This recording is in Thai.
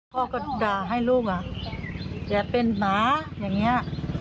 พ่อก็ด่าให้ลูกอย่าเป็นหมาอย่างนี้